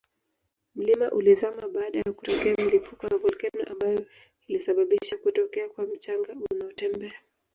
mlima ulizama baada ya kutokea mlipuko wa volcano ambayo ilisabisha kutokea kwa mchanga unaotembea